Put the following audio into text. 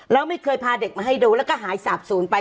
แล้วไม่เคยพาเด็กมาให้ดูแล้วก็หายสาบศูนย์ไป